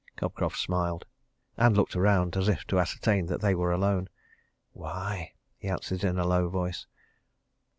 Cobcroft smiled and looked round as if to ascertain that they were alone. "Why!" he answered in a low voice.